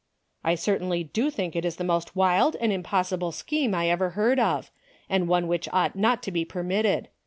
" I certainly do think it is the most wild and impossible scheme I ever heard of, and one Avhich ought not to be permitted.